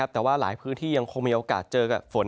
แต่ว่าหลายพื้นที่ยังคงมีโอกาสเจอกับฝน